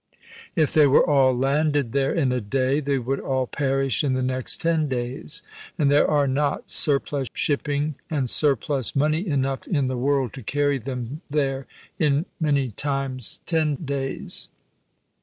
If they were all landed there in a day, they would all perish in the next ten days ; and there are not sur plus shipping and surplus money enough in the world to carry them there in many times ten days."